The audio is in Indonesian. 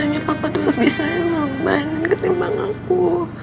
rasanya bapak tuh lebih sayang sama andi ketimbang aku